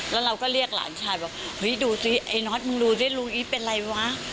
แล้วเราก็เรียกหลานชายบอกเฮ้ยดูสิไอ้น็อตมึงดูซิลุงอีฟเป็นอะไรวะ